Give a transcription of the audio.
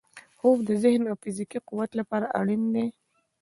خوب د ذهني او فزیکي قوت لپاره اړین دی